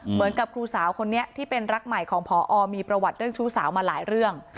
เหมือนกับครูสาวคนนี้ที่เป็นรักใหม่ของพอมีประวัติเรื่องชู้สาวมาหลายเรื่อง